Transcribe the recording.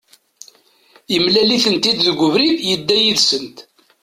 Yemlal-itent-id deg ubrid, yedda yid-sent